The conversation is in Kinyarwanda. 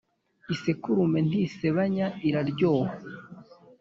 isekurume ntisebanya iraryoha